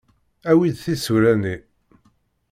Awi-d tisura-nni.